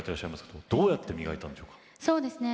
どうやって磨いたんですか？